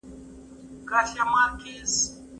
په پوهنتون کي دننه باید شاګردانو ته پوره وخت ورکړل سي.